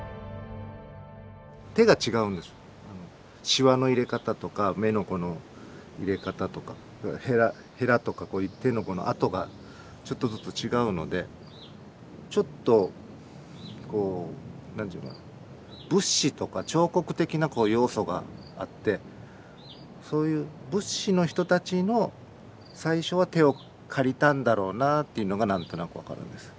しわの入れ方とか目のこの入れ方とかへらとかこういう手のこの跡がちょっとずつ違うのでちょっとこう何て言うのかな仏師とか彫刻的なこう要素があってそういう仏師の人たちの最初は手を借りたんだろうなっていうのが何となく分かるんです。